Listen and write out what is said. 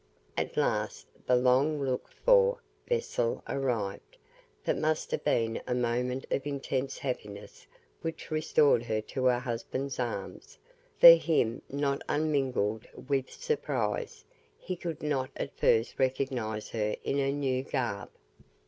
At last the long looked for vessel arrived. That must have been a moment of intense happiness which restored her to her husband's arms for him not unmingled with surprise; he could not at first recognize her in her new garb.